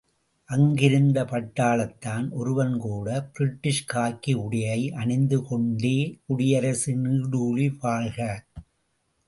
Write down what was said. அங்கிருந்த பட்டாளத்தான் ஒருவன் கூட, பிரிட்டிஷ் காக்கி உடையை அணிந்து கொண்டே, குடியரசு நீடுழி வாழ்க!